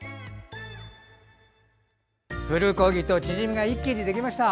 プルコギとチヂミが一気にできました。